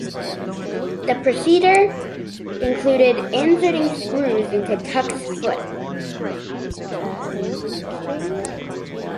The procedure included inserting screws into Tuck's foot.